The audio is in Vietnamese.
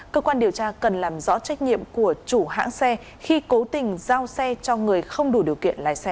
cơ quan điều tra cần làm rõ trách nhiệm của chủ hãng xe khi cố tình giao xe cho người không đủ điều kiện lái xe